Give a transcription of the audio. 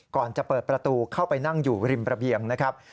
ก่อนจะเปิดประตูเข้าไปนั่งอยู่ริมระเบียงนะครับ